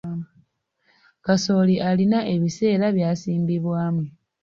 Kasooli alina ebiseera by’asimbibwamu.